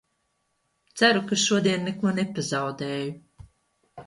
Ceru, ka šodien neko nepazaudēju!